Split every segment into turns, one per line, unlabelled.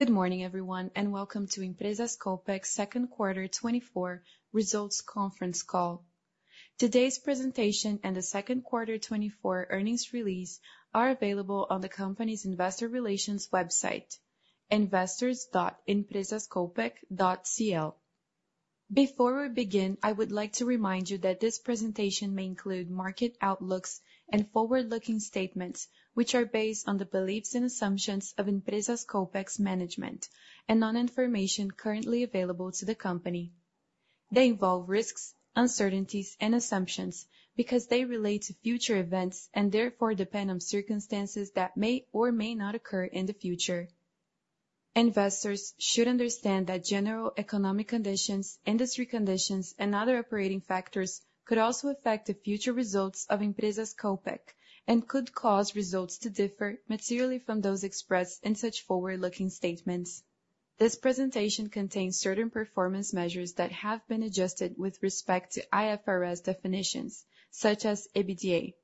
...Good morning, everyone, and welcome to Empresas Copec's Q2 24 results conference call. Today's presentation and the Q2 24 earnings release are available on the company's investor relations website, investors.empresascopec.cl. Before we begin, I would like to remind you that this presentation may include market outlooks and forward-looking statements, which are based on the beliefs and assumptions of Empresas Copec's management, and on information currently available to the company. They involve risks, uncertainties, and assumptions because they relate to future events, and therefore depend on circumstances that may or may not occur in the future. Investors should understand that general economic conditions, industry conditions, and other operating factors could also affect the future results of Empresas Copec, and could cause results to differ materially from those expressed in such forward-looking statements. This presentation contains certain performance measures that have been adjusted with respect to IFRS definitions such as EBITDA.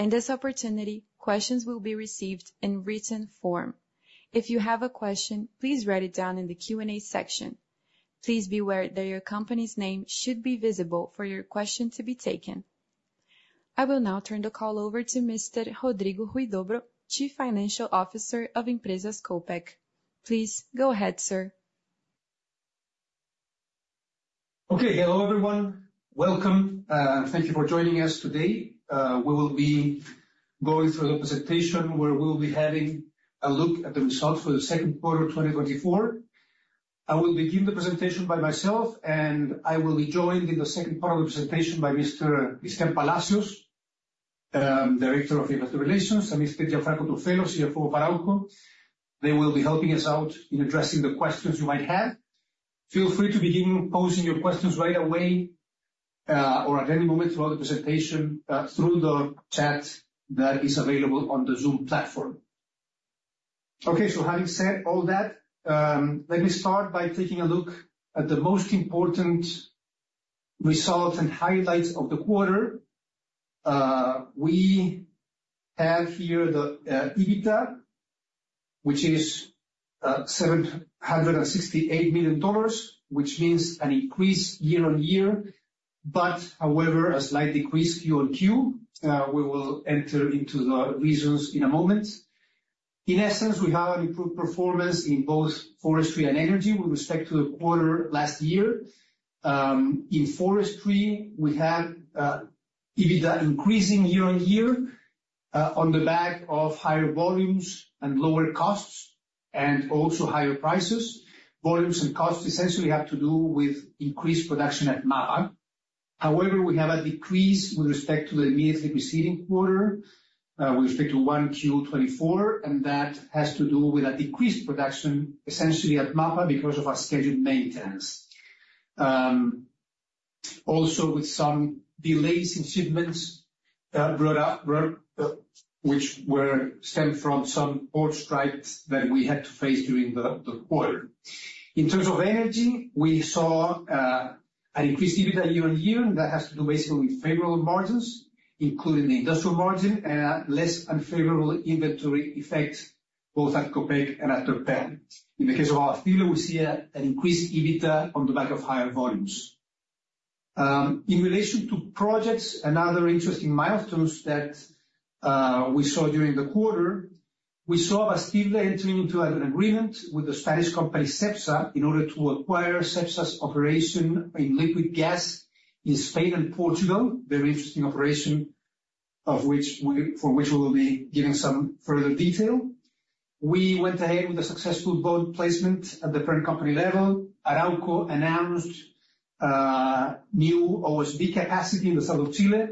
In this opportunity, questions will be received in written form. If you have a question, please write it down in the Q&A section. Please be aware that your company's name should be visible for your question to be taken. I will now turn the call over to Mr. Rodrigo Huidobro, Chief Financial Officer of Empresas Copec. Please go ahead, sir.
Okay. Hello, everyone. Welcome, thank you for joining us today. We will be going through the presentation, where we will be having a look at the results for the Q2 24. I will begin the presentation by myself, and I will be joined in the second part of the presentation by Mr. Cristian Palacios, Director of Investor Relations, and Mr. Gianfranco Truffello, CFO of Arauco. They will be helping us out in addressing the questions you might have. Feel free to begin posing your questions right away, or at any moment throughout the presentation, through the chat that is available on the Zoom platform. Okay, so having said all that, let me start by taking a look at the most important results and highlights of the quarter. We have here the EBITDA, which is $768 million, which means an increase year on year, but however, a slight decrease Q-on-Q. We will enter into the reasons in a moment. In essence, we have an improved performance in both forestry and energy with respect to the quarter last year. In forestry, we had EBITDA increasing year on year on the back of higher volumes and lower costs, and also higher prices. Volumes and costs essentially have to do with increased production at MAPA. However, we have a decrease with respect to the immediately preceding quarter with respect to 1Q 24, and that has to do with a decreased production, essentially at MAPA, because of our scheduled maintenance. Also with some delays in shipments which were stemming from some port strikes that we had to face during the quarter. In terms of energy, we saw an increased EBITDA year on year, and that has to do basically with favorable margins, including the industrial margin and a less unfavorable inventory effect, both at Copec and at Terpel. In the case of Abastible, we see an increased EBITDA on the back of higher volumes. In relation to projects and other interesting milestones that we saw during the quarter, we saw Abastible entering into an agreement with the Spanish company, Cepsa, in order to acquire Cepsa's operations in liquid gas in Spain and Portugal. Very interesting operation, for which we will be giving some further detail. We went ahead with a successful bond placement at the parent company level. Arauco announced new OSB capacity in the south of Chile.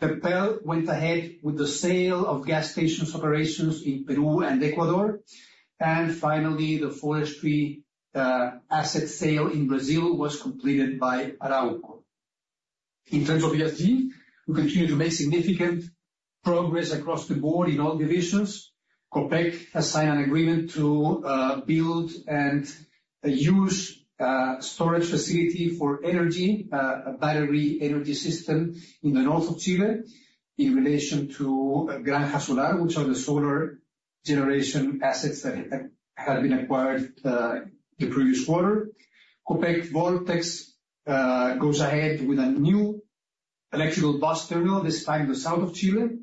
Terpel went ahead with the sale of gas stations operations in Peru and Ecuador, and finally, the forestry asset sale in Brazil was completed by Arauco. In terms of ESG, we continue to make significant progress across the board in all divisions. Copec has signed an agreement to build and use storage facility for energy, a battery energy system in the north of Chile in relation to Granja Solar, which are the solar generation assets that had been acquired the previous quarter. Copec Voltex goes ahead with a new electrical bus terminal, this time in the south of Chile.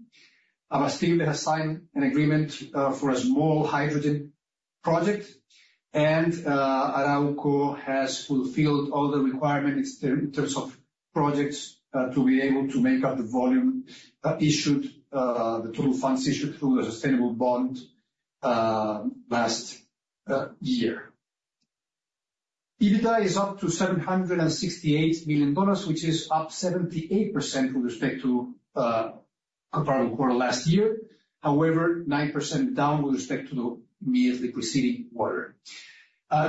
Abastible has signed an agreement for a small hydrogen project, and Arauco has fulfilled all the requirements in terms of projects to be able to make up the volume issued, the total funds issued through the sustainable bond last year. EBITDA is up to $768 million, which is up 78% with respect to comparable quarter last year. However, 9% down with respect to the immediately preceding quarter.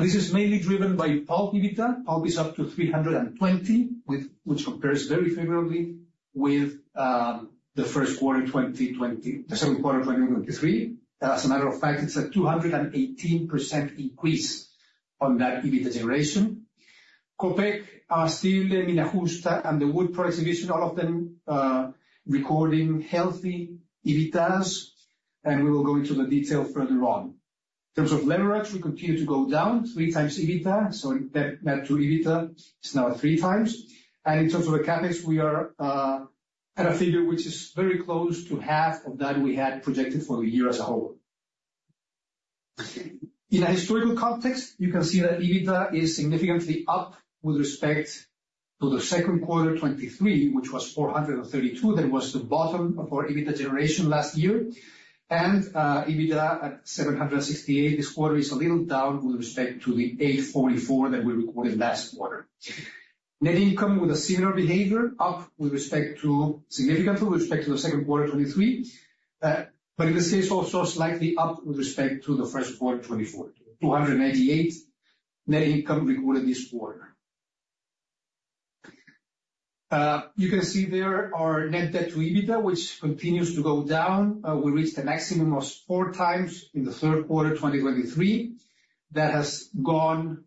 This is mainly driven by pulp EBITDA. Pulp is up to $320, which compares very favorably with the first quarter 2020. The Q2 2023. As a matter of fact, it's a 218% increase on that EBITDA generation. Copec, Abastible, Mina Justa, and the wood products division, all of them, recording healthy EBITDAs, and we will go into the detail further on. In terms of leverage, we continue to go down three times EBITDA, so net debt to EBITDA is now at three times. In terms of the CapEx, we are at a figure which is very close to half of what we had projected for the year as a whole. In a historical context, you can see that EBITDA is significantly up with respect to the Q2 2023, which was 432. That was the bottom of our EBITDA generation last year. EBITDA at 768 this quarter is a little down with respect to the 844 that we recorded last quarter. Net income with a similar behavior, up with respect to, significantly with respect to the Q2 2023. But in this case, also slightly up with respect to the first quarter 2024, 298 net income recorded this quarter. You can see there our net debt to EBITDA, which continues to go down. We reached a maximum of four times in the third quarter 2023. That has gone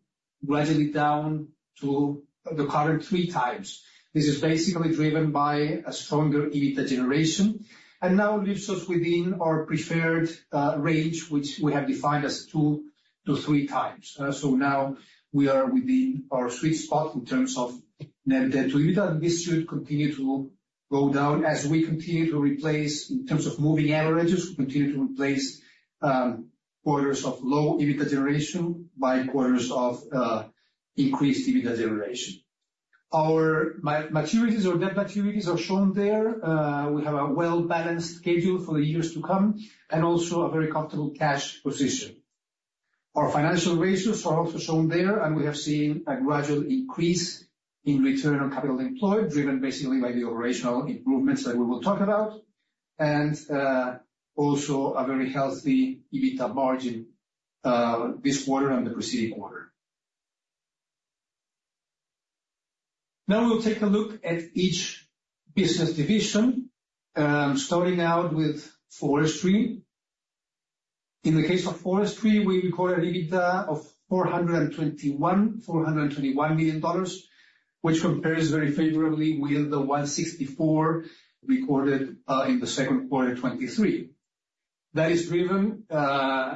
gradually down to the current three times. This is basically driven by a stronger EBITDA generation, and now leaves us within our preferred range, which we have defined as two to three times. So now we are within our sweet spot in terms of net debt to EBITDA, and this should continue to go down as we continue to replace, in terms of moving averages, we continue to replace quarters of low EBITDA generation by quarters of increased EBITDA generation. Our maturities, our net maturities are shown there. We have a well-balanced schedule for the years to come and also a very comfortable cash position. Our financial ratios are also shown there, and we have seen a gradual increase in return on capital employed, driven basically by the operational improvements that we will talk about, and also a very healthy EBITDA margin this quarter and the preceding quarter. Now we'll take a look at each business division, starting out with forestry. In the case of forestry, we recorded EBITDA of $421 million, which compares very favorably with the $164 million recorded in the Q2 2023. That is driven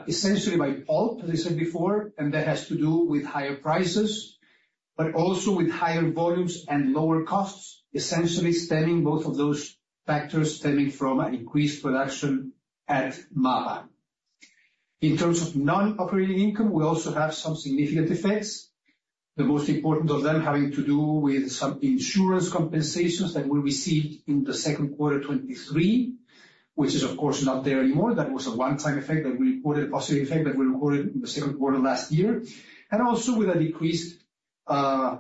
essentially by pulp, as I said before, and that has to do with higher prices, but also with higher volumes and lower costs, essentially stemming both of those factors from an increased production at Mapa. In terms of non-operating income, we also have some significant effects. The most important of them having to do with some insurance compensations that we received in the Q2 2023, which is, of course, not there anymore. That was a one-time effect that we recorded, a positive effect that we recorded in the Q2 last year, and also with a decreased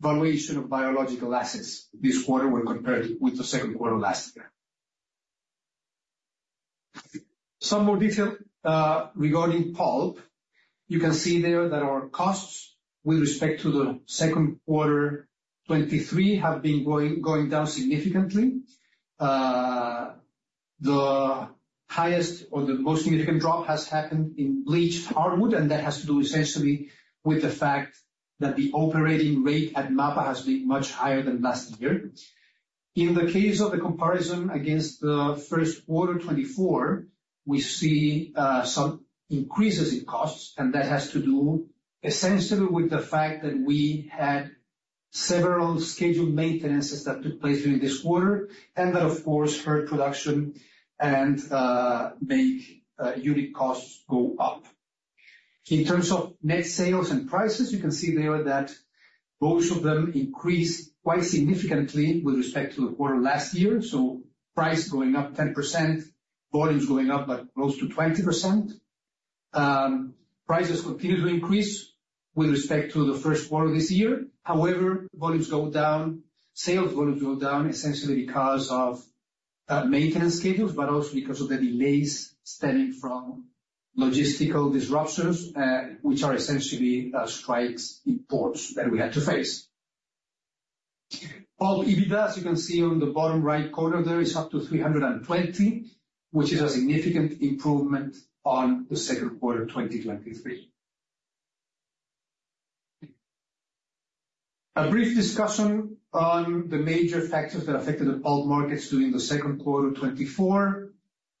valuation of biological assets this quarter when compared with the Q2 last year. Some more detail regarding pulp. You can see there that our costs with respect to the Q2 2023 have been going down significantly. The highest or the most significant drop has happened in bleached hardwood, and that has to do essentially with the fact that the operating rate at MAPA has been much higher than last year. In the case of the comparison against the first quarter 2024, we see some increases in costs, and that has to do essentially with the fact that we had several scheduled maintenances that took place during this quarter. That, of course, hurt production and make unit costs go up. In terms of net sales and prices, you can see there that both of them increased quite significantly with respect to the quarter last year. Price going up 10%, volumes going up by close to 20%. Prices continued to increase with respect to the first quarter this year. However, volumes go down, sales volumes go down, essentially because of maintenance schedules, but also because of the delays stemming from logistical disruptions, which are essentially strikes in ports that we had to face. Pulp EBITDA, as you can see on the bottom right corner there, is up to 320, which is a significant improvement on the Q2 2023. A brief discussion on the major factors that affected the pulp markets during the Q2 2024.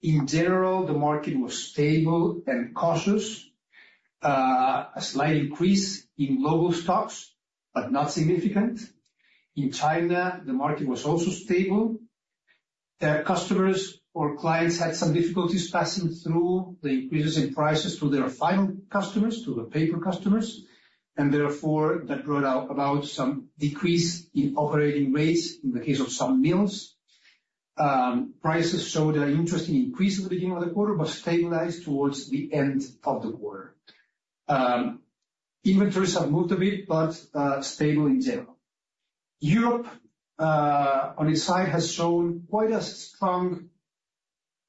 In general, the market was stable and cautious. A slight increase in global stocks, but not significant. In China, the market was also stable. Their customers or clients had some difficulties passing through the increases in prices to their final customers, to the paper customers, and therefore, that brought about some decrease in operating rates in the case of some mills. Prices showed an interesting increase at the beginning of the quarter, but stabilized towards the end of the quarter. Inventories have moved a bit, but stable in general. Europe, on its side, has shown quite a strong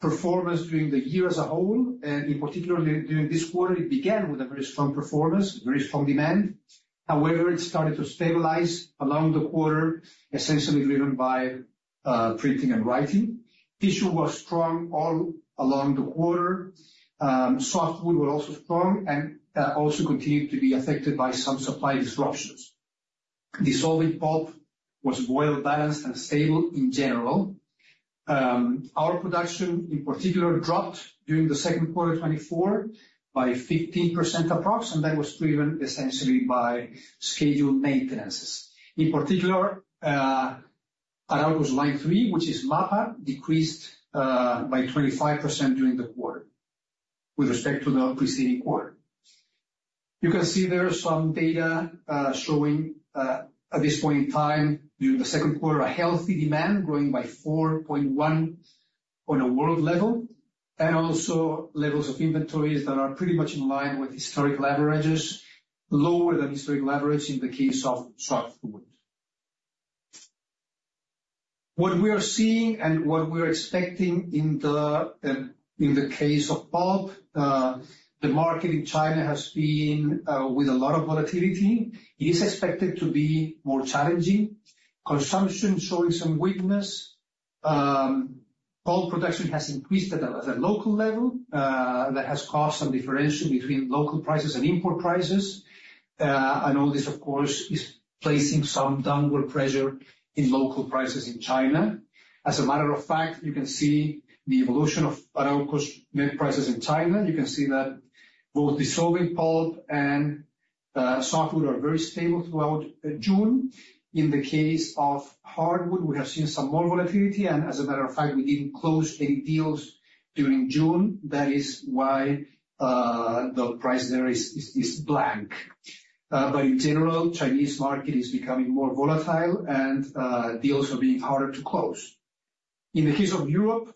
performance during the year as a whole, and in particular, during this quarter, it began with a very strong performance, very strong demand... However, it started to stabilize along the quarter, essentially driven by printing and writing. Tissue was strong all along the quarter. Softwood were also strong and also continued to be affected by some supply disruptions. Dissolving pulp was well balanced and stable in general. Our production, in particular, dropped during the Q2 2024 by 15% approximately, and that was driven essentially by scheduled maintenances. In particular, Arauco's line three, which is MAPA, decreased by 25% during the quarter with respect to the preceding quarter. You can see there some data showing at this point in time, during the Q2, a healthy demand growing by 4.1% on a world level, and also levels of inventories that are pretty much in line with historic averages, lower than historic averages in the case of softwood. What we are seeing and what we're expecting in the case of pulp, the market in China has been with a lot of volatility. It is expected to be more challenging. Consumption showing some weakness. Pulp production has increased at a local level, that has caused some differentiation between local prices and import prices. And all this, of course, is placing some downward pressure in local prices in China. As a matter of fact, you can see the evolution of Arauco's net prices in China. You can see that both dissolving pulp and softwood are very stable throughout June. In the case of hardwood, we have seen some more volatility, and as a matter of fact, we didn't close any deals during June. That is why the price there is blank. But in general, Chinese market is becoming more volatile and, deals are being harder to close. In the case of Europe,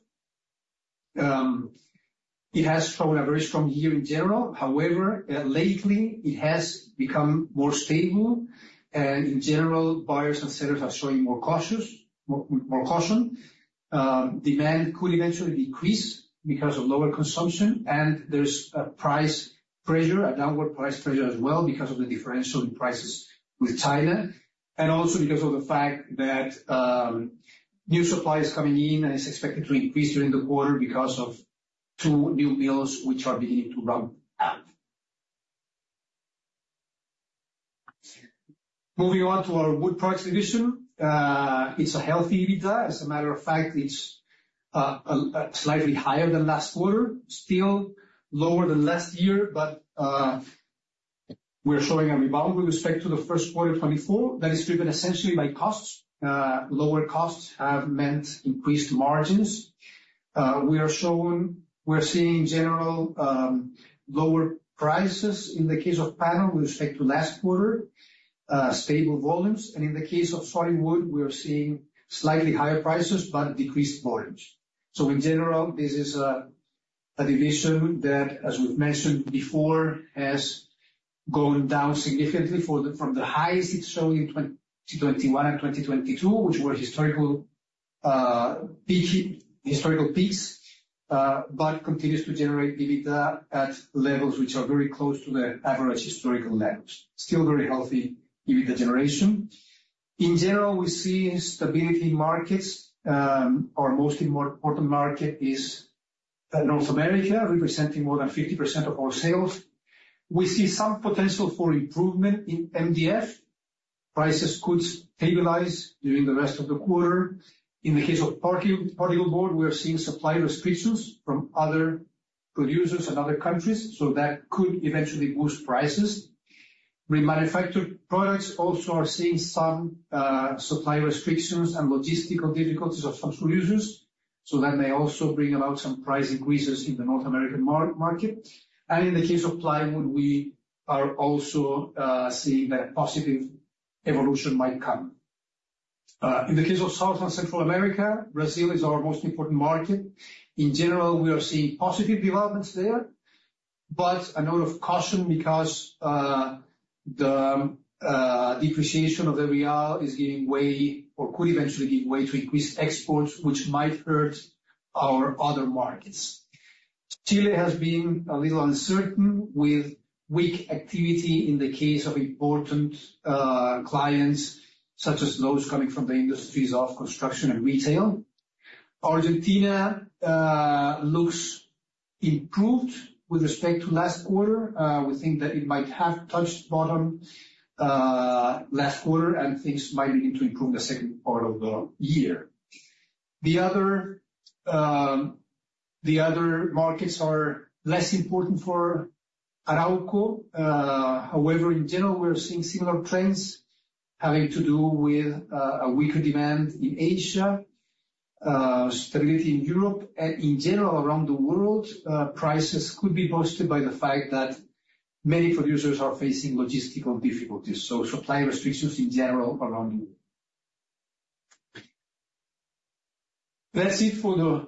it has shown a very strong year in general. However, lately, it has become more stable, and in general, buyers and sellers are showing more cautious, more caution. Demand could eventually decrease because of lower consumption, and there's a price pressure, a downward price pressure as well because of the differential prices with China, and also because of the fact that, new supply is coming in and is expected to increase during the quarter because of two new mills which are beginning to ramp up. Moving on to our wood products division. It's a healthy EBITDA. As a matter of fact, it's a slightly higher than last quarter, still lower than last year, but we're showing a rebound with respect to the Q1 24. That is driven essentially by costs. Lower costs have meant increased margins. We are showing we're seeing general lower prices in the case of panel with respect to last quarter, stable volumes. And in the case of softwood, we are seeing slightly higher prices but decreased volumes. So in general, this is a division that, as we've mentioned before, has gone down significantly from the highs it showed in 2021 and 2022, which were historical peak, historical peaks, but continues to generate EBITDA at levels which are very close to the average historical levels. Still very healthy EBITDA generation. In general, we see stability in markets. Our most important market is North America, representing more than 50% of our sales. We see some potential for improvement in MDF. Prices could stabilize during the rest of the quarter. In the case of particle board, we are seeing supply restrictions from other producers and other countries, so that could eventually boost prices. Remanufactured products also are seeing some supply restrictions and logistical difficulties of some producers, so that may also bring about some price increases in the North American market. In the case of plywood, we are also seeing that positive evolution might come. In the case of South and Central America, Brazil is our most important market. In general, we are seeing positive developments there, but a note of caution because the depreciation of the real is giving way or could eventually give way to increased exports, which might hurt our other markets. Chile has been a little uncertain, with weak activity in the case of important clients, such as those coming from the industries of construction and retail. Argentina looks improved with respect to last quarter. We think that it might have touched bottom last quarter, and things might begin to improve in the second part of the year. The other markets are less important for Arauco. However, in general, we're seeing similar trends having to do with a weaker demand in Asia, stability in Europe, and in general, around the world, prices could be boosted by the fact that many producers are facing logistical difficulties, so supply restrictions in general around the world. That's it for the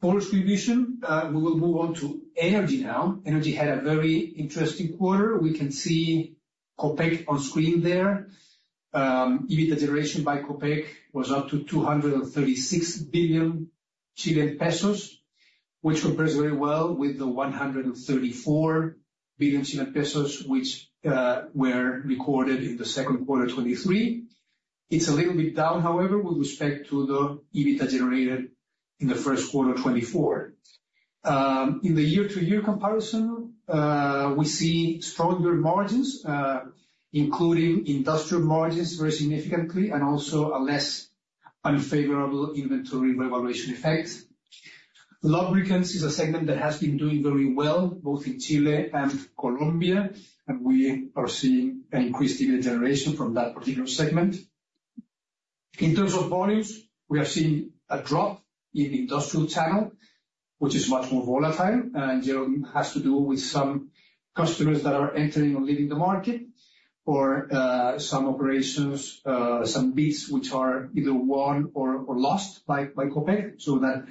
forest division. We will move on to energy now. Energy had a very interesting quarter. We can see Copec on screen there. EBITDA generation by Copec was up to 236 billion Chilean pesos, which compares very well with the 134 billion Chilean pesos, which were recorded in the Q2 2023. It's a little bit down, however, with respect to the EBITDA generated in the first quarter 2024. In the year-to-year comparison, we see stronger margins, including industrial margins very significantly, and also a less unfavorable inventory revaluation effect. Lubricants is a segment that has been doing very well, both in Chile and Colombia, and we are seeing an increased EBITDA generation from that particular segment. In terms of volumes, we are seeing a drop in the industrial channel, which is much more volatile, and in general, has to do with some customers that are entering or leaving the market, or some operations, some bids, which are either won or lost by Copec. So that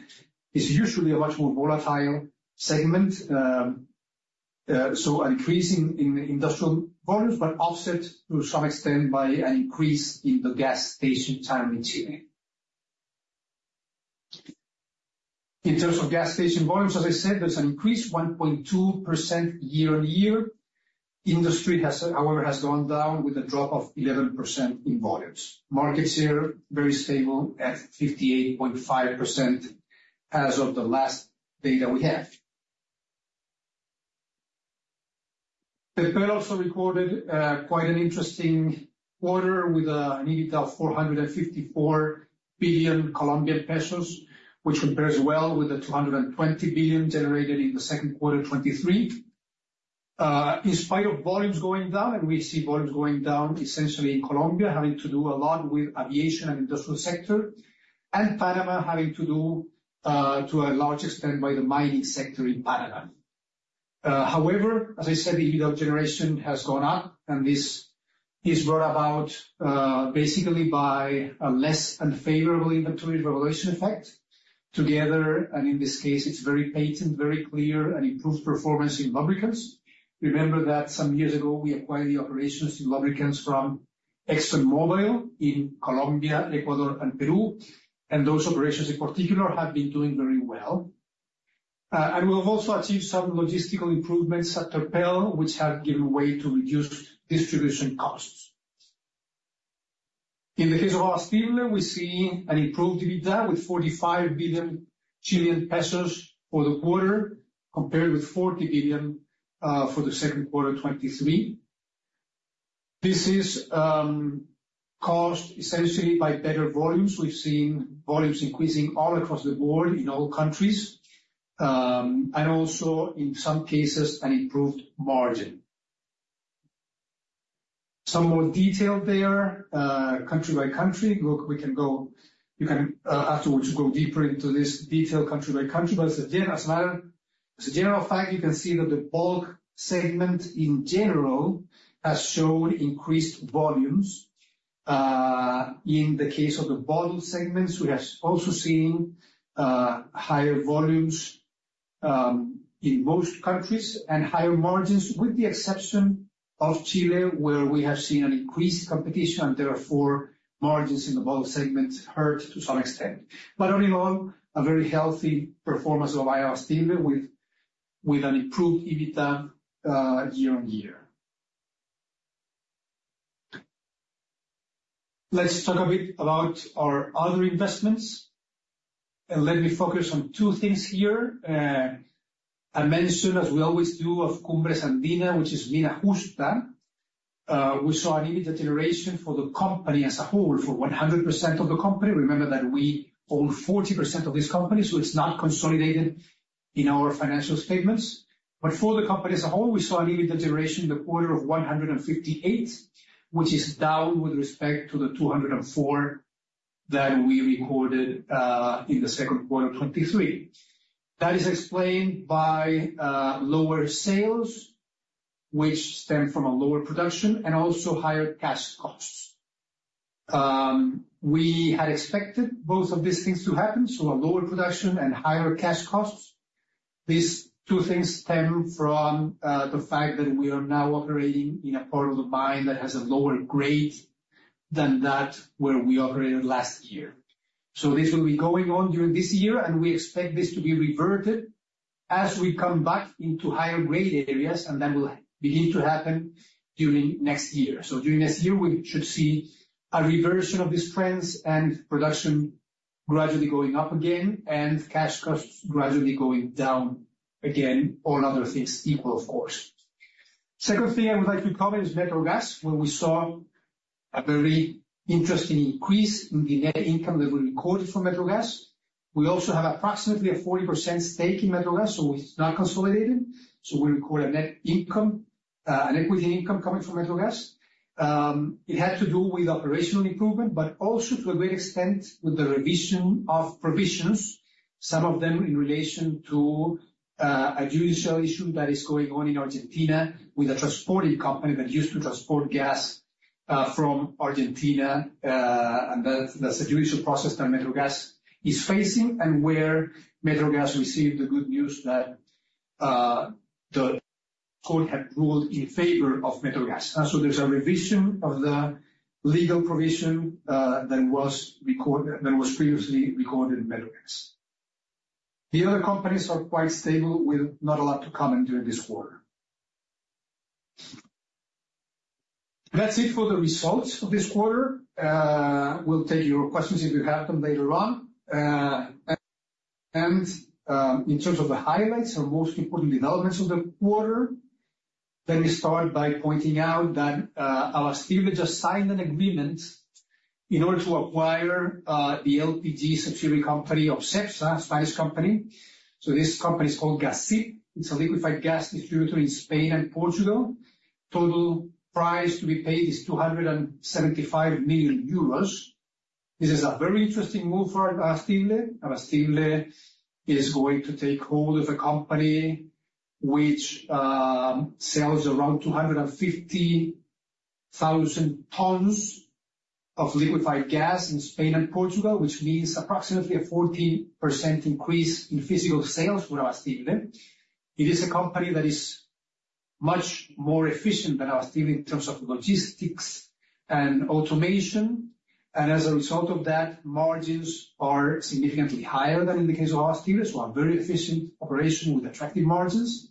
is usually a much more volatile segment. So an increase in industrial volumes, but offset to some extent by an increase in the gas station channel in Chile. In terms of gas station volumes, as I said, there's an increase of 1.2% year-on-year. Industry has, however, gone down with a drop of 11% in volumes. Market share, very stable at 58.5% as of the last data we have. Terpel also recorded quite an interesting quarter with an EBITDA of COP 454 billion, which compares well with the COP 220 billion generated in the Q2 2023. In spite of volumes going down, and we see volumes going down, essentially in Colombia, having to do a lot with aviation and industrial sector, and Panama having to do to a large extent by the mining sector in Panama. However, as I said, the EBITDA generation has gone up, and this is brought about basically by a less unfavorable inventory revaluation effect. Together, and in this case, it's very patent, very clear, an improved performance in lubricants. Remember that some years ago, we acquired the operations in lubricants from ExxonMobil in Colombia, Ecuador and Peru, and those operations in particular, have been doing very well. And we've also achieved some logistical improvements at Terpel, which have given way to reduced distribution costs. In the case of Arauco, we see an improved EBITDA with 45 billion Chilean pesos for the quarter, compared with 40 billion for the Q2 2023. This is caused essentially by better volumes. We've seen volumes increasing all across the board in all countries, and also in some cases, an improved margin. Some more detail there, country by country. Look, we can go, you can afterwards go deeper into this detail country by country, but as a general fact, you can see that the bulk segment in general has shown increased volumes. In the case of the volume segments, we have also seen higher volumes in most countries, and higher margins, with the exception of Chile, where we have seen an increased competition; therefore, margins in the bulk segment hurt to some extent. But all in all, a very healthy performance of Arauco, with an improved EBITDA year-on-year. Let's talk a bit about our other investments, and let me focus on two things here. I mentioned, as we always do, of Cumbres Andinas, which is Mina Justa. We saw an EBITDA generation for the company as a whole, for 100% of the company. Remember that we own 40% of this company, so it's not consolidated in our financial statements. But for the company as a whole, we saw an EBITDA generation in the quarter of 158, which is down with respect to the 204 that we recorded in the Q2 2023. That is explained by lower sales, which stem from a lower production, and also higher cash costs. We had expected both of these things to happen, so a lower production and higher cash costs. These two things stem from the fact that we are now operating in a part of the mine that has a lower grade than that where we operated last year. So this will be going on during this year, and we expect this to be reverted as we come back into higher grade areas, and that will begin to happen during next year. So during next year, we should see a reversion of these trends, and production gradually going up again, and cash costs gradually going down again, all other things equal, of course. Second thing I would like to cover is Metrogas, where we saw a very interesting increase in the net income that we recorded from Metrogas. We also have approximately a 40% stake in Metrogas, so it's not consolidated, so we record a net income, an equity income coming from Metrogas. It had to do with operational improvement, but also to a great extent, with the revision of provisions, some of them in relation to a judicial issue that is going on in Argentina with a transporting company that used to transport gas from Argentina, and that's a judicial process that Metrogas is facing, and where Metrogas received the good news that the court had ruled in favor of Metrogas. So there's a revision of the legal provision that was previously recorded in Metrogas. The other companies are quite stable with not a lot to comment during this quarter. That's it for the results for this quarter. We'll take your questions if you have them later on. In terms of the highlights or most important developments of the quarter, let me start by pointing out that our Abastible just signed an agreement in order to acquire the LPG subsidiary company of Cepsa, Spanish company. So this company is called Gasib. It is a liquefied gas distributor in Spain and Portugal. Total price to be paid is 275 million euros. This is a very interesting move for Abastible. Abastible is going to take hold of a company which sells around 250,000 tons of liquefied gas in Spain and Portugal, which means approximately a 40% increase in physical sales for Abastible. It is a company that is much more efficient than Abastible in terms of logistics and automation, and as a result of that, margins are significantly higher than in the case of Abastible. So a very efficient operation with attractive margins.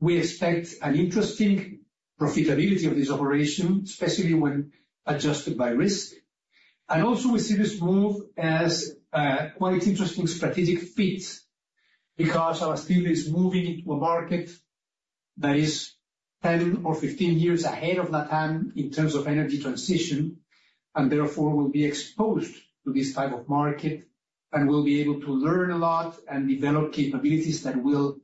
We expect an interesting profitability of this operation, especially when adjusted by risk. And also we see this move as a quite interesting strategic fit because Abastible is moving into a market that is 10 or 15 years ahead of Latam in terms of energy transition, and therefore, will be exposed to this type of market, and we'll be able to learn a lot and develop capabilities that will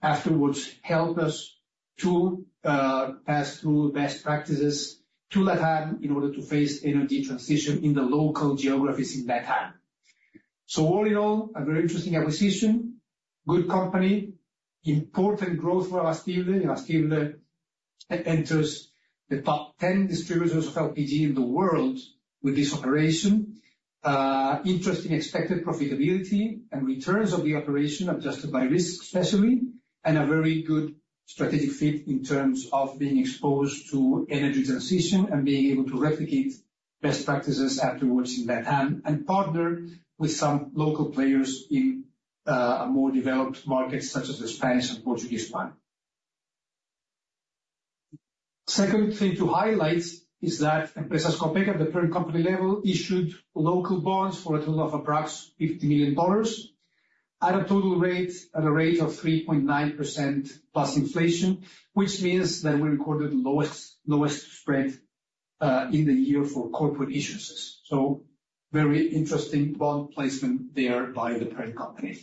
afterwards help us to pass through best practices to Latam in order to face energy transition in the local geographies in Latam. So all in all, a very interesting acquisition, good company, important growth for Abastible. Abastible enters the top 10 distributors of LPG in the world with this operation. Interesting expected profitability and returns of the operation, adjusted by risk especially, and a very good strategic fit in terms of being exposed to energy transition and being able to replicate best practices afterwards in Latam, and partner with some local players in a more developed market such as the Spanish and Portuguese one. Second thing to highlight is that Empresas Copec, at the parent company level, issued local bonds for a total of approximately $50 million at a rate of 3.9% plus inflation, which means that we recorded the lowest spread in the year for corporate issuances. Very interesting bond placement there by the parent company.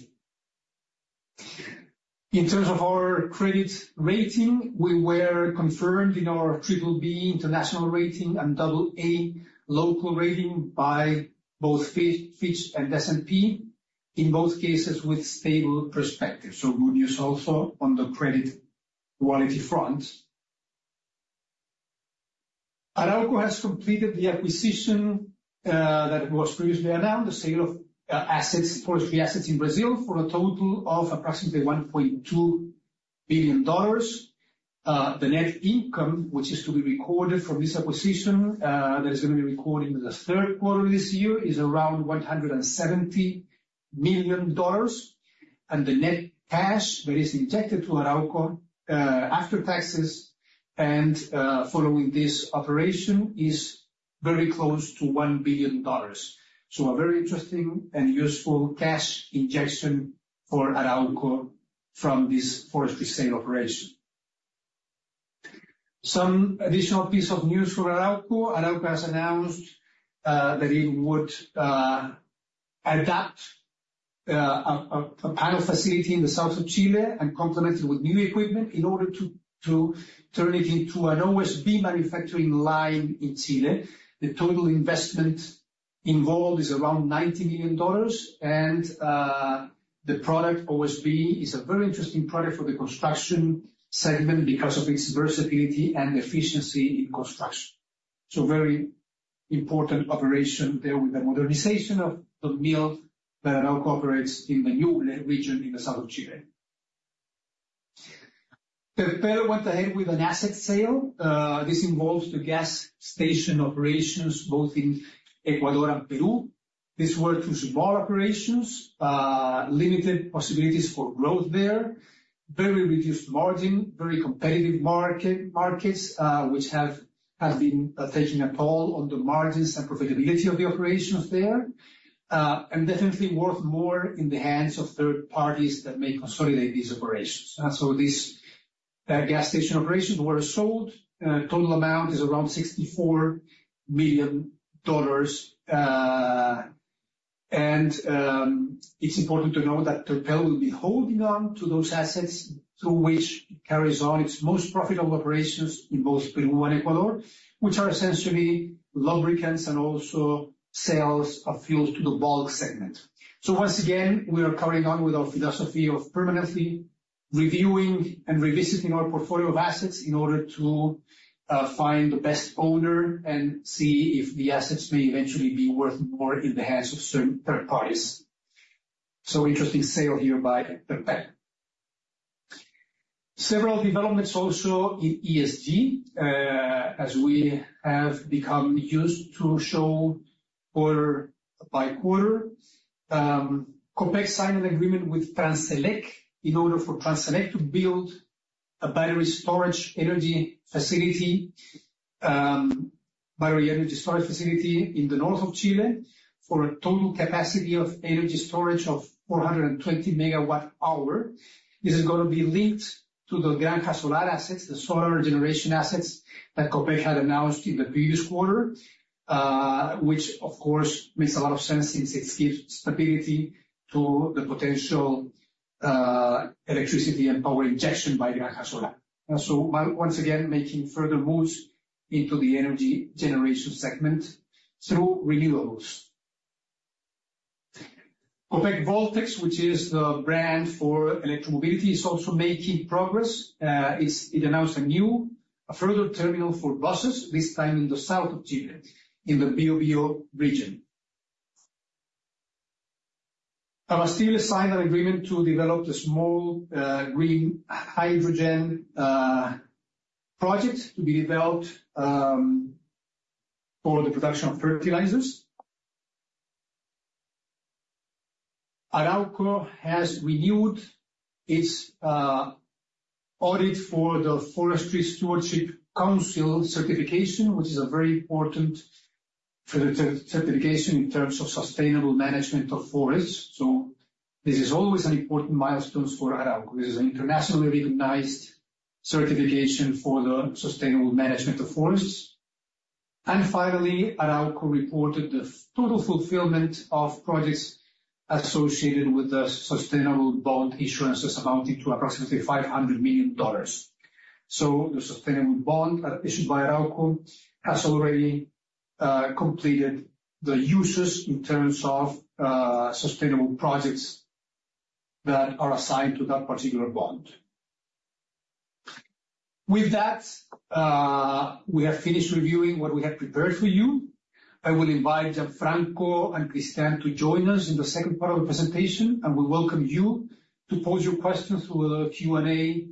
In terms of our credit rating, we were confirmed in our triple B international rating and double A local rating by both Fitch and S&P, in both cases with stable outlook. So good news also on the credit quality front. Arauco has completed the acquisition, that was previously announced, the sale of, assets, forestry assets in Brazil for a total of approximately $1.2 billion. The net income, which is to be recorded from this acquisition, that is going to be recorded in the third quarter of this year, is around $170 million. And the net cash that is injected to Arauco, after taxes and, following this operation, is very close to $1 billion. So a very interesting and useful cash injection for Arauco from this forestry sale operation. Some additional piece of news from Arauco. Arauco has announced that it would adapt a panel facility in the south of Chile and complement it with new equipment in order to turn it into an OSB manufacturing line in Chile. The total investment involved is around $90 million, and the product, OSB, is a very interesting product for the construction segment because of its versatility and efficiency in construction, so very important operation there with the modernization of the mill that now operates in the new region in the south of Chile. Terpel went ahead with an asset sale. This involves the gas station operations, both in Ecuador and Peru. These were two small operations, limited possibilities for growth there, very reduced margin, very competitive market, markets, which have been taking a toll on the margins and profitability of the operations there. And definitely worth more in the hands of third parties that may consolidate these operations. So these gas station operations were sold. Total amount is around $64 million. And it's important to note that Terpel will be holding on to those assets to which it carries on its most profitable operations in both Peru and Ecuador, which are essentially lubricants and also sales of fuel to the bulk segment. Once again, we are carrying on with our philosophy of permanently reviewing and revisiting our portfolio of assets in order to find the best owner and see if the assets may eventually be worth more in the hands of certain third parties. Interesting sale here by Copec. Several developments also in ESG, as we have become used to show quarter-by-quarter. Copec signed an agreement with Transelec in order for Transelec to build a battery storage energy facility, battery energy storage facility in the north of Chile, for a total capacity of energy storage of 420 megawatt-hours. This is gonna be linked to the Granja Solar assets, the solar generation assets that Copec had announced in the previous quarter, which of course makes a lot of sense since it gives stability to the potential electricity and power injection by Granja Solar. So once again, making further moves into the energy generation segment through renewables. Copec Voltex, which is the brand for electromobility, is also making progress. It announced a further terminal for buses, this time in the south of Chile, in the Biobío region. Abastible signed an agreement to develop the small green hydrogen project, to be developed for the production of fertilizers. Arauco has renewed its audit for the Forest Stewardship Council certification, which is a very important for the certification in terms of sustainable management of forests. So this is always an important milestone for Arauco. This is an internationally recognized certification for the sustainable management of forests. And finally, Arauco reported the total fulfillment of projects associated with the sustainable bond issuances, amounting to approximately $500 million. So the sustainable bond issued by Arauco has already completed the uses in terms of sustainable projects that are assigned to that particular bond. With that, we have finished reviewing what we have prepared for you. I will invite Gianfranco and Cristián to join us in the second part of the presentation, and we welcome you to pose your questions through the Q&A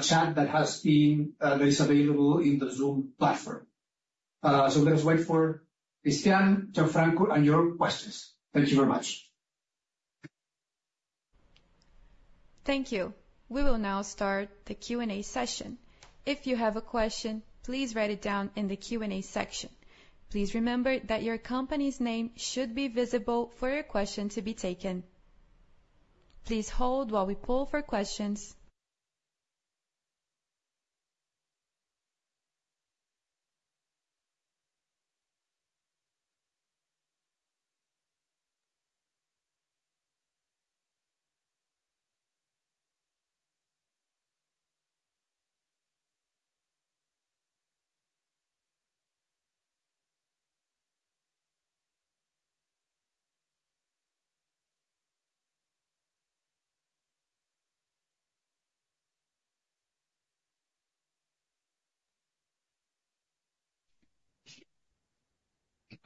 chat that is available in the Zoom platform. So let's wait for Cristián, Gianfranco, and your questions. Thank you very much.
Thank you. We will now start the Q&A session. If you have a question, please write it down in the Q&A section. Please remember that your company's name should be visible for your question to be taken. Please hold while we poll for questions.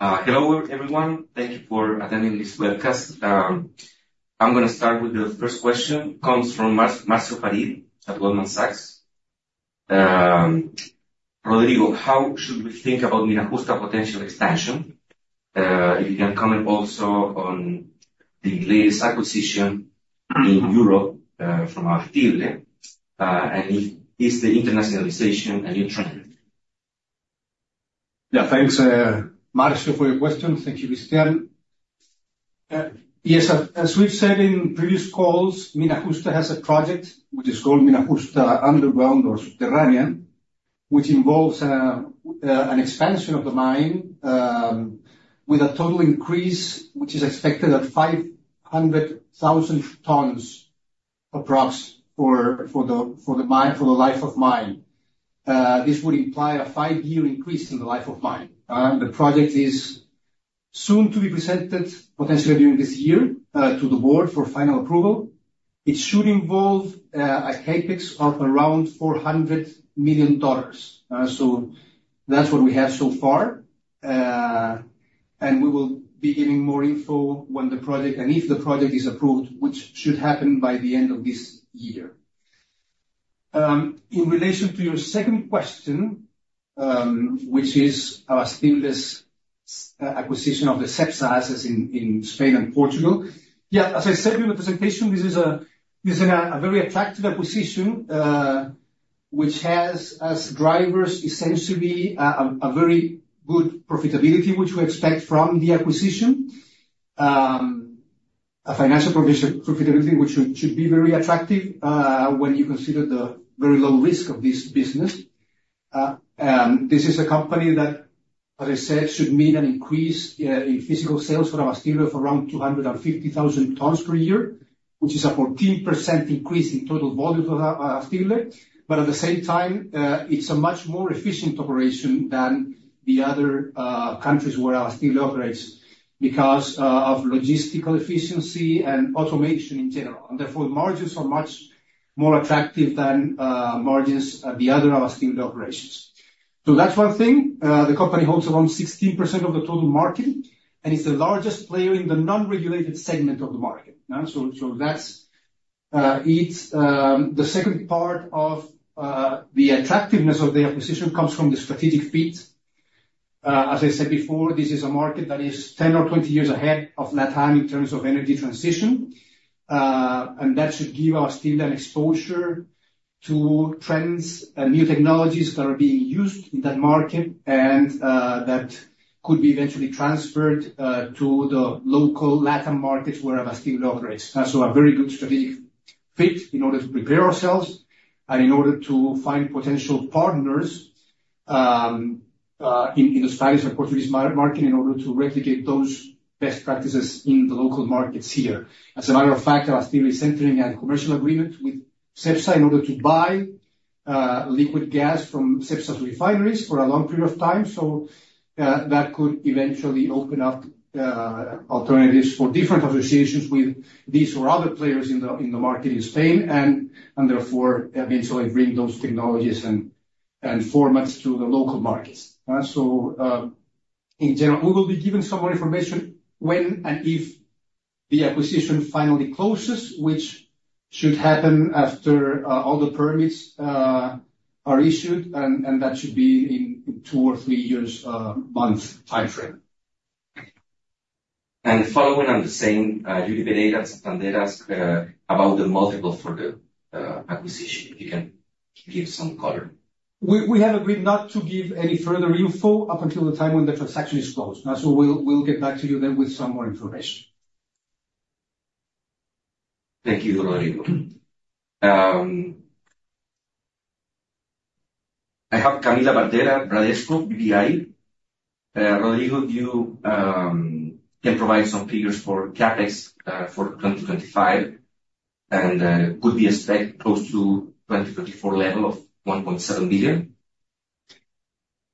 Hello, everyone. Thank you for attending this webcast. I'm gonna start with the first question, comes from Marcio Farid at Goldman Sachs. Rodrigo, how should we think about Mina Justa potential expansion? If you can comment also on the latest acquisition in Europe, from Abastible, and is the internationalization a new trend?
Yeah, thanks, Marcelo, for your question. Thank you, Cristián. Yes, as we've said in previous calls, Mina Justa has a project which is called Mina Justa Underground or Subterranea, which involves an expansion of the mine, with a total increase, which is expected at 500,000 tons approx, for the life of mine. This would imply a five-year increase in the life of mine. The project is soon to be presented, potentially during this year, to the board for final approval. It should involve a CapEx of around $400 million. So that's what we have so far, and we will be giving more info when the project and if the project is approved, which should happen by the end of this year. In relation to your second question, which is Abastible's acquisition of the Cepsa assets in Spain and Portugal. Yeah, as I said in the presentation, this is a very attractive acquisition, which has as drivers, essentially, a very good profitability, which we expect from the acquisition. A financial profitability, which should be very attractive, when you consider the very low risk of this business. This is a company that, as I said, should mean an increase in physical sales for Abastible of around 250,000 tons per year, which is a 14% increase in total volume for Abastible. But at the same time, it's a much more efficient operation than the other countries where Abastible operates, because of logistical efficiency and automation in general. And therefore, margins are more attractive than margins at the other Abastible operations. So that's one thing. The company holds around 60% of the total market, and is the largest player in the non-regulated segment of the market. So that's it. The second part of the attractiveness of the acquisition comes from the strategic fit. As I said before, this is a market that is 10 or 20 years ahead of LATAM in terms of energy transition. And that should give us still an exposure to trends and new technologies that are being used in that market, and that could be eventually transferred to the local LATAM markets, where Abastible operates. A very good strategic fit in order to prepare ourselves, and in order to find potential partners, in the Spanish and Portuguese market, in order to replicate those best practices in the local markets here. As a matter of fact, Abastible is entering a commercial agreement with Cepsa, in order to buy liquefied gas from Cepsa's refineries for a long period of time. That could eventually open up alternatives for different associations with these or other players in the market in Spain, and therefore, eventually bring those technologies and formats to the local markets. So, in general, we will be giving some more information when and if the acquisition finally closes, which should happen after all the permits are issued, and that should be in two or three years, months timeframe.
Following on the same, Judith at Santander asked about the multiple for the acquisition. If you can give some color?
We have agreed not to give any further info up until the time when the transaction is closed. So we'll get back to you then with some more information.
Thank you, Rodrigo. I have Camilla Barder, Bradesco BBI. Rodrigo, do you can provide some figures for CapEx for 2025, and could we expect close to 2024 level of $1.7 billion?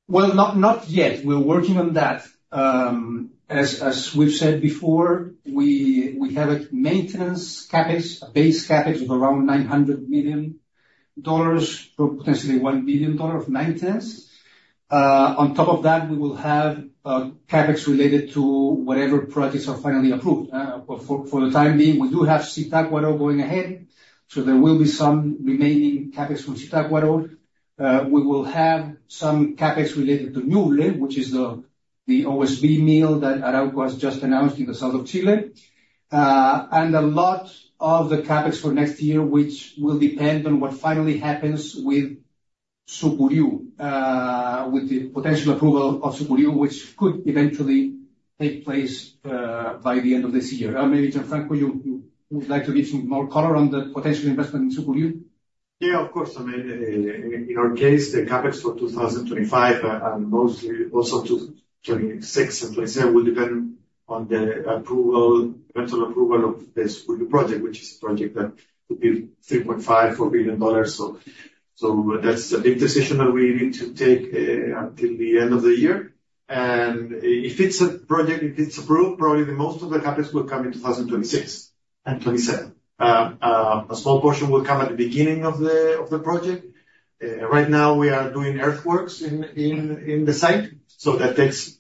Well, not yet. We're working on that. As we've said before, we have a maintenance CapEx, a base CapEx of around $900 million, or potentially $1 billion of maintenance. On top of that, we will have CapEx related to whatever projects are finally approved. But for the time being, we do have Zitácuaro going ahead, so there will be some remaining CapEx from Zitácuaro. We will have some CapEx related to Ñuble, which is the OSB mill that Arauco has just announced in the south of Chile, and a lot of the CapEx for next year, which will depend on what finally happens with Sucuriú, with the potential approval of Sucuriú, which could eventually take place by the end of this year. Maybe Gianfranco, you would like to give some more color on the potential investment in Sucuriú?
Yeah, of course. I mean, in our case, the CapEx for 2025, and mostly also 2026 and 2027, will depend on the approval, potential approval of the Sucuriú project, which is a project that could be $3.5-$4 billion. So that's a big decision that we need to take until the end of the year. And if it's approved, probably the most of the CapEx will come in 2026 and 2027. A small portion will come at the beginning of the project. Right now we are doing earthworks in the site, so that takes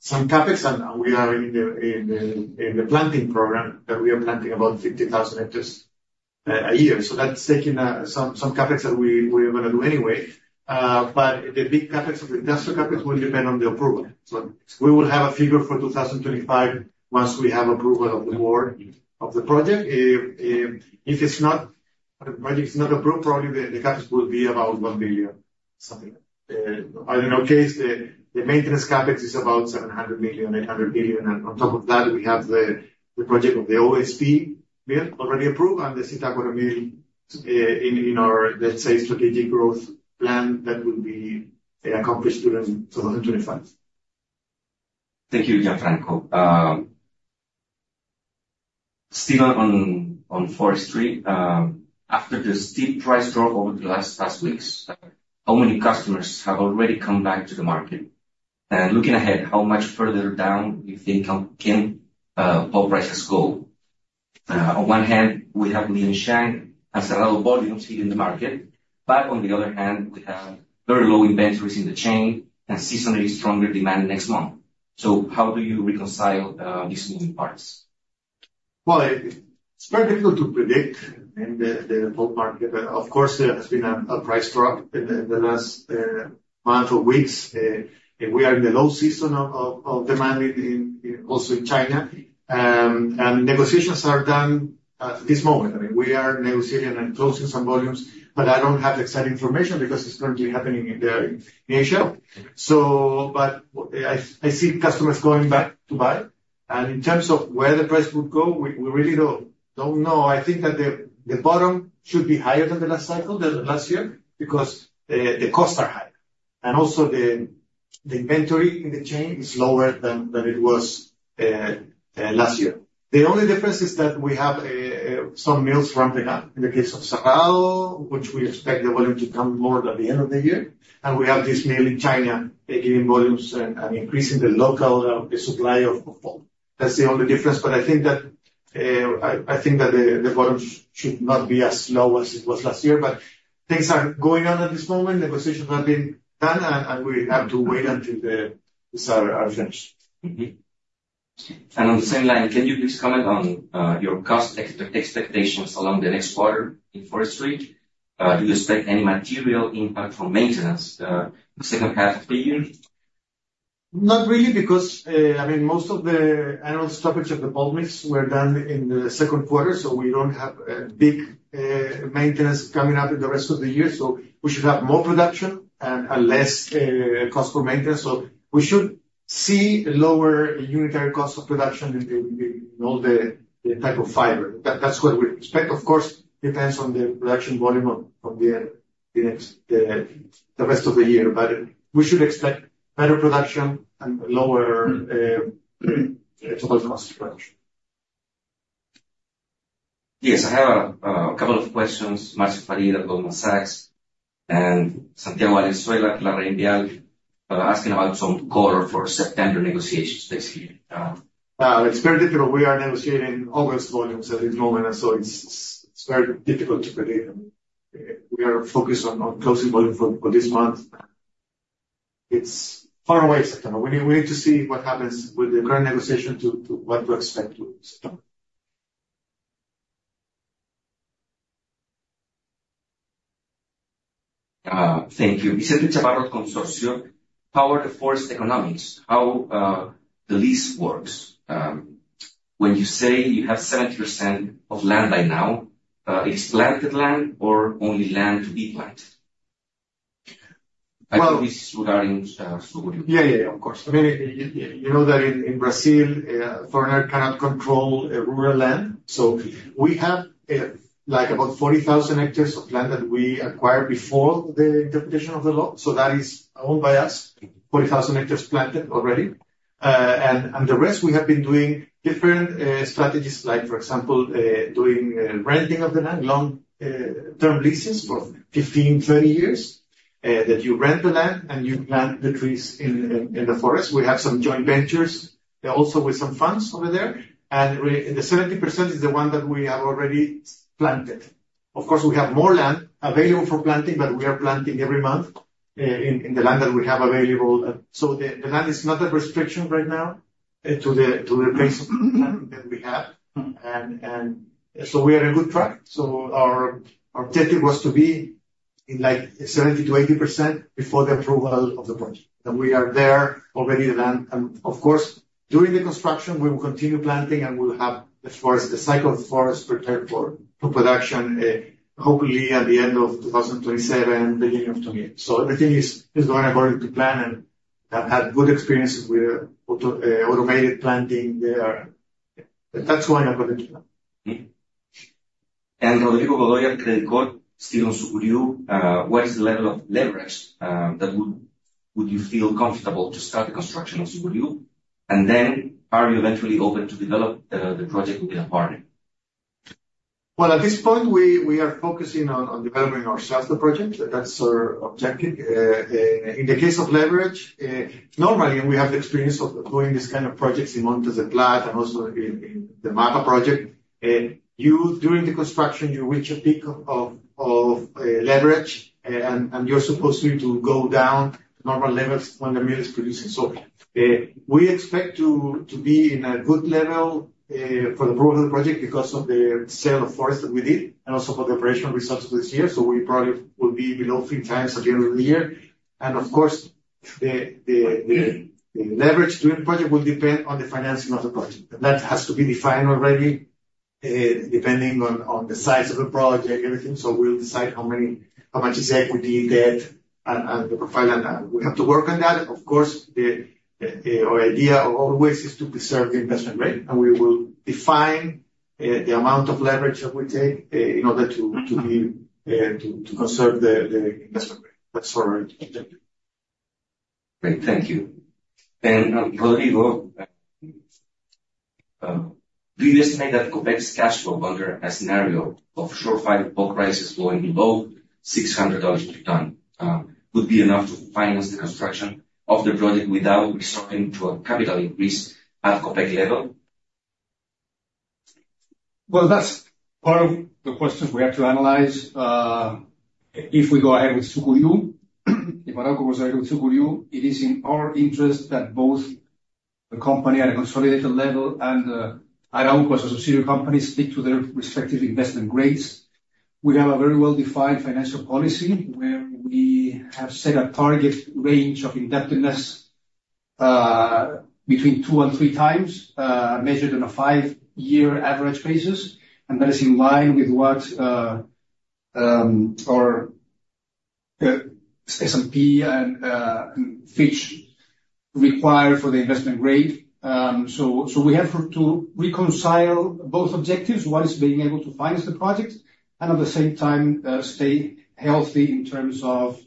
some CapEx, and we are in the planting program, that we are planting about 50,000 hectares a year. So that's taking some CapEx that we were gonna do anyway. But the big CapEx of the industrial CapEx will depend on the approval. So we will have a figure for 2025 once we have approval of the board of the project. If it's not, the project is not approved, probably the CapEx will be about $1 billion, something like that. But in our case, the maintenance CapEx is about $700 million, $800 million, and on top of that, we have the project of the OSB mill already approved and the Zitácuaro mill in our, let's say, strategic growth plan that will be accomplished during 2025.
Thank you, Gianfranco. Still on forestry, after the steep price drop over the last weeks, how many customers have already come back to the market? And looking ahead, how much further down you think can pulp prices go? On one hand, we have Chinese volumes here in the market, but on the other hand, we have very low inventories in the chain and seasonally stronger demand next month. So how do you reconcile these moving parts?
It's very difficult to predict in the pulp market. Of course, there has been a price drop in the last months or weeks. We are in the low season of demand, also in China. Negotiations are done at this moment. I mean, we are negotiating and closing some volumes, but I don't have the exact information, because it's currently happening in Asia. But I see customers going back to buy, and in terms of where the price would go, we really don't know. I think that the bottom should be higher than the last cycle, than last year, because the costs are high. Also, the inventory in the chain is lower than it was last year. The only difference is that we have some mills ramping up. In the case of Cerrado, which we expect the volume to come more at the end of the year, and we have this mill in China, taking volumes and increasing the local supply of pulp. That's the only difference, but I think that the volumes should not be as low as it was last year, but things are going on at this moment. Negotiations are being done, and we have to wait until the decisions are finished.
Mm-hmm. And on the same line, can you please comment on your cost expectations along the next quarter in forestry? Do you expect any material impact from maintenance, second half of the year?
Not really, because, I mean, most of the annual stoppages of the pulp mills were done in the Q2, so we don't have a big maintenance coming up in the rest of the year. So we should have more production and less cost for maintenance. So we should see a lower unitary cost of production in all the type of fiber. That's what we expect. Of course, it depends on the production volume from the rest of the year, but we should expect better production and lower total cost of production.
Yes, I have a couple of questions. Marcos Faria, Goldman Sachs, and Santiago Alzueta, LarrainVial, asking about some color for September negotiations this year.
It's very difficult. We are negotiating August volumes at this moment, and so it's very difficult to predict. We are focused on closing volume for this month. It's far away, September. We need to see what happens with the current negotiation to what we expect with September.
Thank you. Vicente Navarro, Consorcio, how are the forest economics? How the lease works, when you say you have 70% of land by now, it's planted land or only land to be planted?
Well-
This is regarding Sucuriú.
Yeah, yeah, of course. I mean, you know, that in Brazil, foreigner cannot control a rural land. So we have, like about 40,000 hectares of land that we acquired before the interpretation of the law, so that is owned by us, 40,000 hectares planted already. And the rest, we have been doing different strategies, like for example, doing renting of the land, long term leases for 15-20 years, that you rent the land, and you plant the trees in the forest. We have some joint ventures, also with some funds over there, and we... The 70% is the one that we have already planted. Of course, we have more land available for planting, but we are planting every month, in the land that we have available. So the land is not a restriction right now to the pace that we have.
Mm.
We are on good track. Our objective was to be in, like, 70%-80% before the approval of the project, and we are there already. Of course, during the construction, we will continue planting, and we'll have the forest cycle prepared for production, hopefully at the end of 2027, beginning of 2028. Everything is going according to plan, and we have had good experiences with automated planting there. That's going according to plan.
And Rodrigo Godoy at Credicorp, still on Sucuriú, what is the level of leverage that would you feel comfortable to start the construction of Sucuriú? And then are you eventually open to develop the project with a partner?
At this point, we are focusing on developing ourselves the project. That's our objective. In the case of leverage, normally, and we have the experience of doing these kind of projects in Montes del Plata and also in the MAPA project, you during the construction, you reach a peak of leverage, and you're supposed to go down normal levels when the mill is producing. We expect to be in a good level for the approval of the project because of the sale of forests that we did and also for the operational results this year. We probably will be below three times at the end of the year. Of course, the leverage during the project will depend on the financing of the project. That has to be defined already, depending on the size of the project, everything. So we'll decide how much is equity, debt, and the profile on that. We have to work on that. Of course, our idea always is to preserve the investment rate, and we will define the amount of leverage that we take in order to be to conserve the investment rate. That's our objective.
Great, thank you. And Rodrigo, do you estimate that Copec's cash flow under a scenario of softwood pulp prices going below $600 per ton would be enough to finance the construction of the project without resorting to a capital increase at Copec level?
That's part of the questions we have to analyze if we go ahead with Sucuriú. If Arauco goes ahead with Sucuriú, it is in our interest that both the company at a consolidated level and Arauco's associated companies stick to their respective Investment Grades. We have a very well-defined financial policy, where we have set a target range of indebtedness between two and three times measured on a 5-year average basis, and that is in line with what our S&P and Fitch require for the Investment Grade, so we have to reconcile both objectives, one is being able to finance the project and at the same time stay healthy in terms of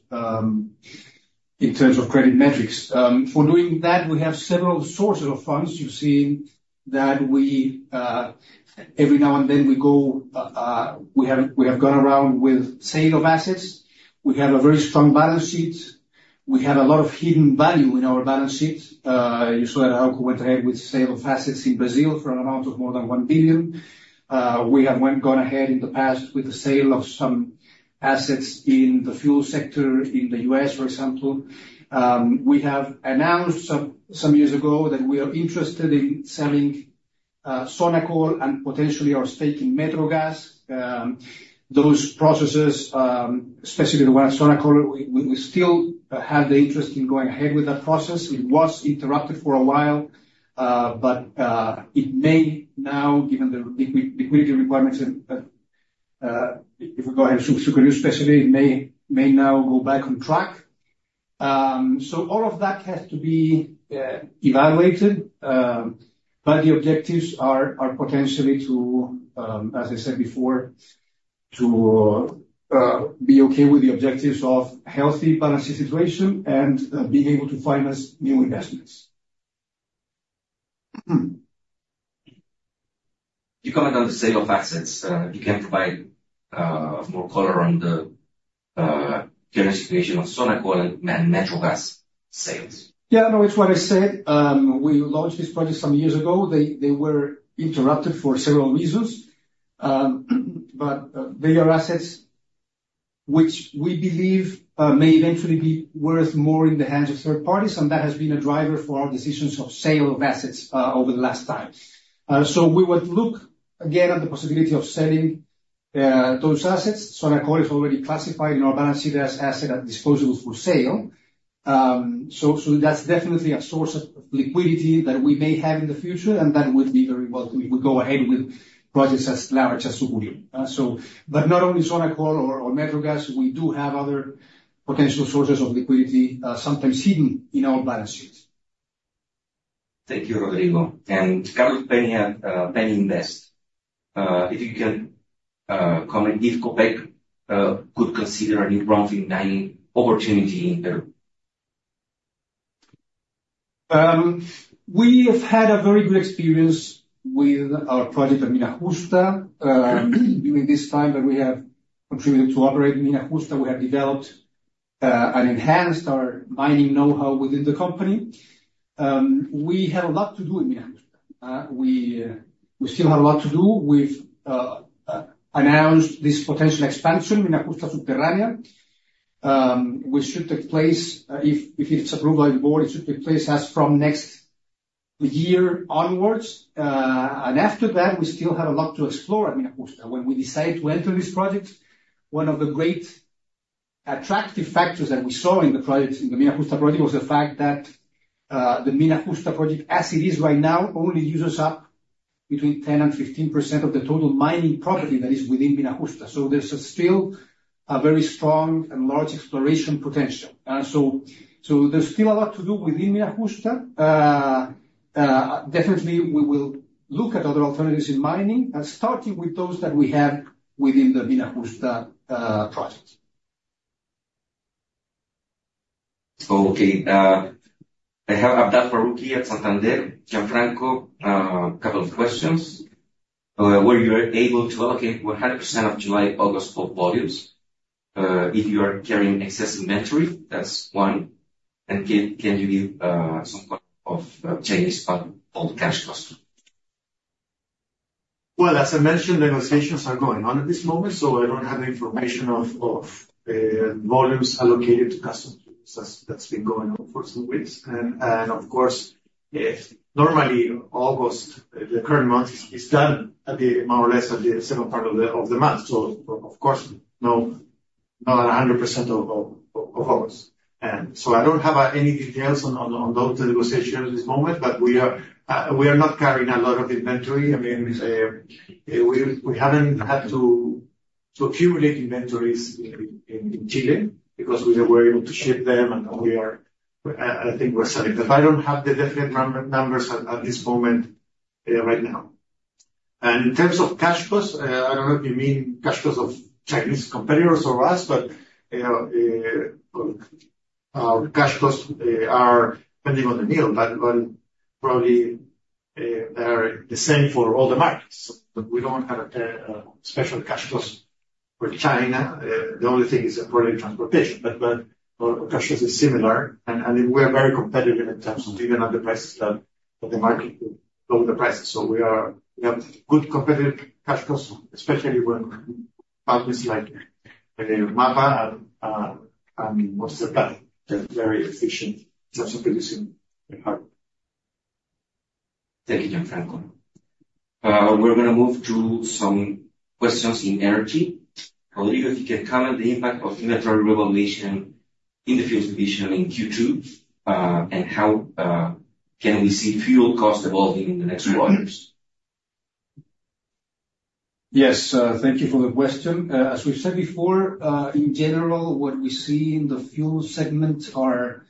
...In terms of credit metrics. For doing that, we have several sources of funds. You've seen that we every now and then we have gone around with sale of assets. We have a very strong balance sheet. We have a lot of hidden value in our balance sheet. You saw that Arauco went ahead with sale of assets in Brazil for an amount of more than $1 billion. We have gone ahead in the past with the sale of some assets in the fuel sector in the U.S., for example. We have announced some years ago that we are interested in selling Sonacol and potentially our stake in Metrogas. Those processes, especially the one at Sonacol, we still have the interest in going ahead with that process. It was interrupted for a while, but it may now, given the liquidity requirements and, if we go ahead with Sucuriú especially, it may now go back on track. So all of that has to be evaluated, but the objectives are potentially to, as I said before, to be okay with the objectives of healthy balance sheet situation and being able to finance new investments.
You commented on the sale of assets. You can provide more color on the current situation of Sonacol and Metrogas sales?
Yeah, no, it's what I said. We launched this project some years ago. They were interrupted for several reasons. But they are assets which we believe may eventually be worth more in the hands of third parties, and that has been a driver for our decisions of sale of assets over the last time. So we would look again at the possibility of selling those assets. Sonacol is already classified in our balance sheet as assets held for sale. So that's definitely a source of liquidity that we may have in the future, and that would be very welcome. We would go ahead with projects as large as Sucuriú, so but not only Sonacol or Metrogas, we do have other potential sources of liquidity sometimes hidden in our balance sheets.
Thank you, Rodrigo, and Carlos Pena, Pena Invest, if you can comment if Copec could consider any profitable mining opportunity in there?
We have had a very good experience with our project at Mina Justa. During this time that we have contributed to operate Mina Justa, we have developed and enhanced our mining know-how within the company. We had a lot to do in Mina Justa. We still have a lot to do. We've announced this potential expansion, Mina Justa Subterranea, which should take place if it's approved by the board. It should take place as from next year onwards. After that, we still have a lot to explore at Mina Justa. When we decided to enter this project, one of the great attractive factors that we saw in the project, in the Mina Justa project, was the fact that, the Mina Justa project, as it is right now, only uses up between 10 and 15% of the total mining property that is within Mina Justa. So there's still a very strong and large exploration potential. So there's still a lot to do within Mina Justa. Definitely, we will look at other alternatives in mining, starting with those that we have within the Mina Justa project.
Okay, I have Amit Bhargava at Santander. Gianfranco, a couple of questions. Were you able to allocate 100% of July, August volumes, if you are carrying excessive inventory? That's one. And can you give some kind of change on all cash costs?
As I mentioned, negotiations are going on at this moment, so I don't have the information of volumes allocated to customers. That's been going on for some weeks. Of course, normally August, the current month, is done more or less at the second part of the month, so of course not 100% of August. And so I don't have any details on those negotiations at this moment, but we are not carrying a lot of inventory. I mean, we haven't had to accumulate inventories in Chile because we were able to ship them, and we are, I think we're selling them. I don't have the definite numbers at this moment, right now. In terms of cash costs, I don't know if you mean cash costs of Chinese competitors or us, but, you know, our cash costs are depending on the mill, but probably they are the same for all the markets. We don't have a special cash costs for China. The only thing is probably transportation, but our cash cost is similar, and, I mean, we are very competitive in terms of even at the prices that the market, over the prices. So we are- we have good competitive cash costs, especially when partners like MAPA and, and what's the other? They're very efficient in terms of producing pulp.
Thank you, Gianfranco. We're gonna move to some questions in energy. Rodrigo, if you can comment the impact of inventory revaluation in the fuel division in Q2, and how can we see fuel costs evolving in the next quarters?
Yes, thank you for the question. As we've said before, in general, what we see in the fuel segment are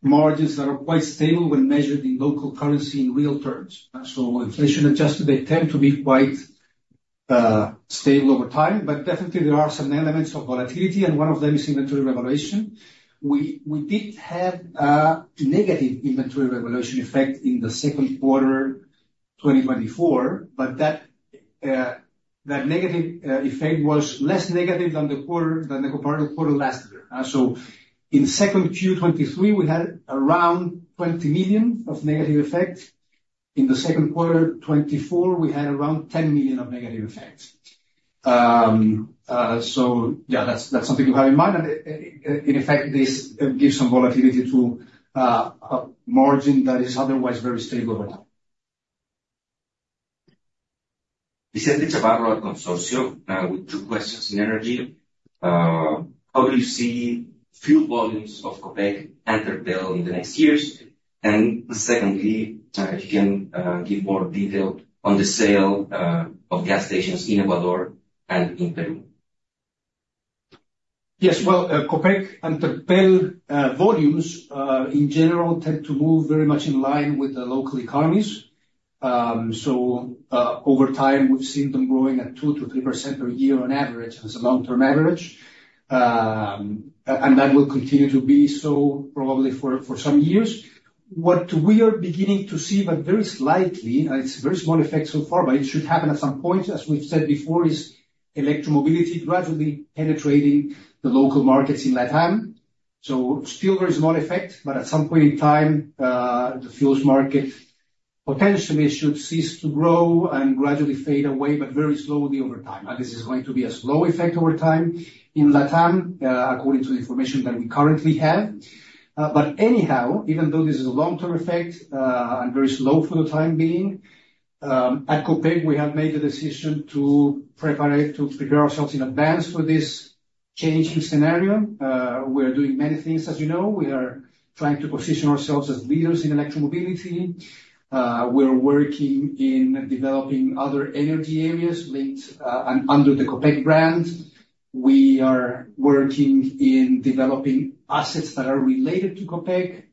margins that are quite stable when measured in local currency in real terms. So inflation adjusted, they tend to be quite stable over time, but definitely there are some elements of volatility, and one of them is inventory revaluation. We did have negative inventory revaluation effect in the Q2 2024, but that negative effect was less negative than the comparative quarter last year. So in Q2 2023, we had around $20 million of negative effect. In the Q2 2024, we had around $10 million of negative effect. So yeah, that's something to have in mind, and in effect, this gives some volatility to a margin that is otherwise very stable over time.
Vicente Navarro at Consorcio, with two questions in energy. How do you see fuel volumes of Copec and Terpel in the next years? And secondly, if you can, give more detail on the sale of gas stations in Ecuador and in Peru.
Yes. Well, Copec and Terpel volumes, in general, tend to move very much in line with the local economies. So, over time, we've seen them growing at 2%-3% per year on average, as a long-term average. And that will continue to be so probably for some years. What we are beginning to see, but very slightly, and it's a very small effect so far, but it should happen at some point, as we've said before, is electromobility gradually penetrating the local markets in LatAm. So still very small effect, but at some point in time, the fuels market potentially should cease to grow and gradually fade away, but very slowly over time. This is going to be a slow effect over time in LATAM, according to the information that we currently have. But anyhow, even though this is a long-term effect, and very slow for the time being, at Copec, we have made the decision to prepare ourselves in advance for this changing scenario. We're doing many things as you know, we are trying to position ourselves as leaders in electromobility. We're working in developing other energy areas linked and under the Copec brand. We are working in developing assets that are related to Copec,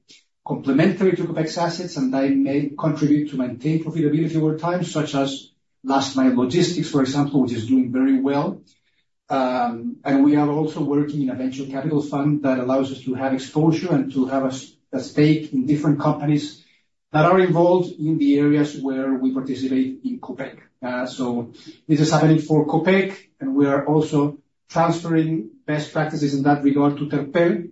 complementary to Copec's assets, and they may contribute to maintain profitability over time, such as last mile logistics, for example, which is doing very well. And we are also working in a venture capital fund that allows us to have exposure and to have a stake in different companies that are involved in the areas where we participate in Copec. So this is happening for Copec, and we are also transferring best practices in that regard to Terpel.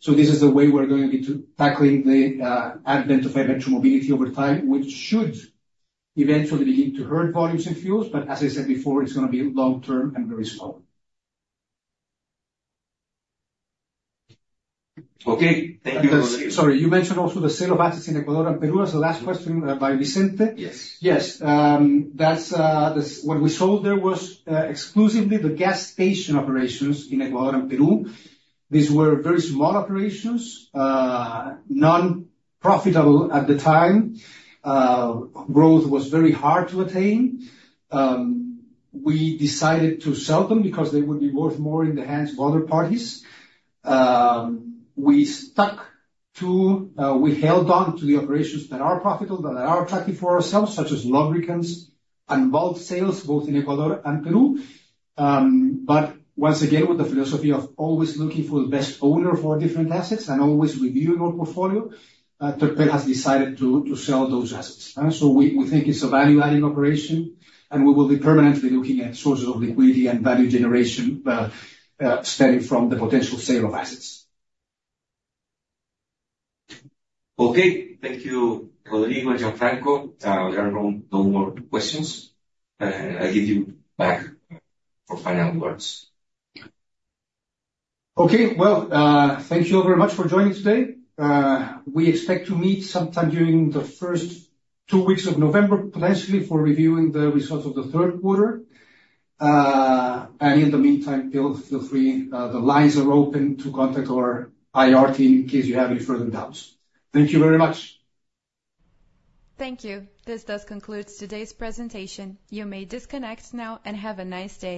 So this is the way we're going to be tackling the advent of electromobility over time, which should eventually begin to hurt volumes in fuels, but as I said before, it's gonna be long-term and very slow.
Okay, thank you.
Sorry, you mentioned also the sale of assets in Ecuador and Peru as the last question by Vicente?
Yes.
Yes. That's what we sold there was exclusively the gas station operations in Ecuador and Peru. These were very small operations, non-profitable at the time. Growth was very hard to attain. We decided to sell them, because they would be worth more in the hands of other parties. We stuck to, we held on to the operations that are profitable, that are attractive for ourselves, such as lubricants and bulk sales, both in Ecuador and Peru. But once again, with the philosophy of always looking for the best owner for different assets and always reviewing our portfolio, Terpel has decided to sell those assets, so we think it's a value-adding operation, and we will be permanently looking at sources of liquidity and value generation, starting from the potential sale of assets.
Okay. Thank you, Rodrigo and Gianfranco. There are no more questions. I give you back for final words.
Okay, well, thank you all very much for joining today. We expect to meet sometime during the first two weeks of November, potentially for reviewing the results of the third quarter, and in the meantime, feel free, the lines are open to contact our IR team in case you have any further doubts. Thank you very much.
Thank you. This does conclude today's presentation. You may disconnect now, and have a nice day.